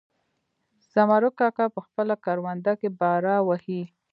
زمرک کاکا په خپله کرونده کې باره وهي.